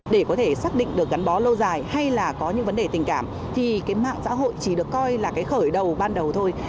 để có thể xác định được gắn bó lâu dài hay là có những vấn đề tình cảm thì cái mạng xã hội chỉ được coi là cái khởi đầu ban đầu thôi